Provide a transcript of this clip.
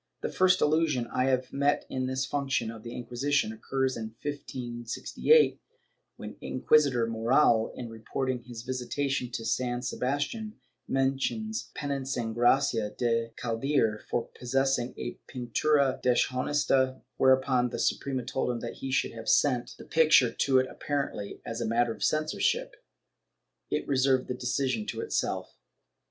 The first allusion I have met to this function of the Inquisition occurs in 1568, when Inquis itor Moral, in reporting his visitation of San Sebastian, mentions penancing Gracia de Caldiere for possessing a pintura deshonesta, whereupon the Suprema told him that he should have sent the picture to it — apparently, as a matter of censorship, it reserved the decision to itself.